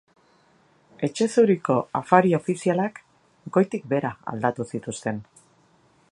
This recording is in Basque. Etxe Zuriko afari ofizialak goitik behera aldatu zituzten.